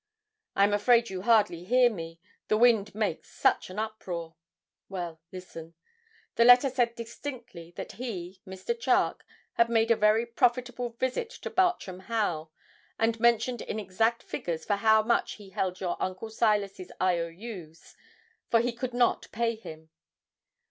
'I am afraid you hardly hear me, the wind makes such an uproar. Well, listen. The letter said distinctly, that he, Mr. Charke, had made a very profitable visit to Bartram Haugh, and mentioned in exact figures for how much he held your uncle Silas's I.O.U.'s, for he could not pay him.